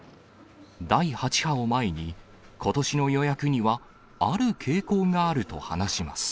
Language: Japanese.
第８波を前に、ことしの予約にはある傾向があると話します。